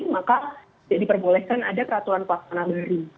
maka diperbolehkan ada peraturan pasangan baru